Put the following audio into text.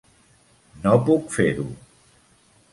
No puc fer-ho.